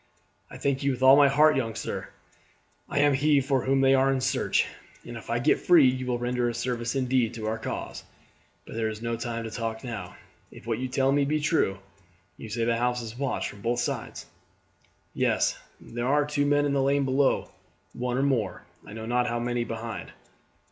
"I thank you with all my heart, young sir. I am he for whom they are in search, and if I get free you will render a service indeed to our cause; but there is no time to talk now, if what you tell me be true. You say the house is watched from both sides?" "Yes; there are two men in the lane below, one or more, I know not how many, behind."